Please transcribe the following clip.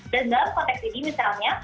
dan dalam konteks ini misalnya